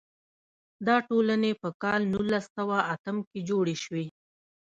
دا ټولنې په کال نولس سوه اتم کې جوړې شوې.